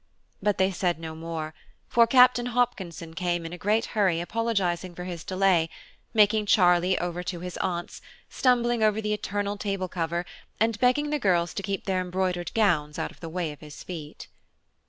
But they said no more, for Captain Hopkinson came in a great hurry apologizing for his delay–making Charlie over to his aunts, stumbling over the eternal table cover, and begging the girls to keep their embroidered gowns out of the way of his feet.